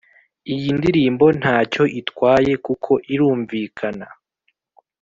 iyindirimbo nta cyo itwaye kuko irumvikana